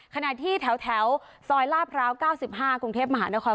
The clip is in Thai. ขณะที่แถวซอยลาดพร้าว๙๕กรุงเทพมหานคร